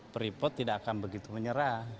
freeport tidak akan begitu menyerah